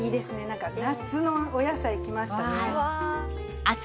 なんか夏のお野菜きましたね。